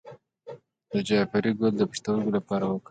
د جعفری ګل د پښتورګو لپاره وکاروئ